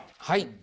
はい。